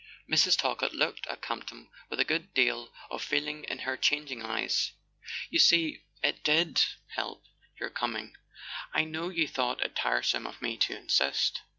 Mrs. Talkett looked at Campton w T ith a good deal of feeling in her changing eyes. "You see, it did help, your coming. I know you thought it tiresome of me to insist."